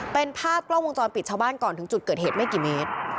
เป็นภาพกล้องวงจรปิดชาวบ้านก่อนถึงจุดเกิดเหตุไม่กี่เมตร